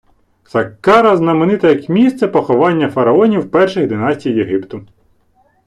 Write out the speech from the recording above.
Саккара знаменита як місце поховання фараонів перших династій Єгипту.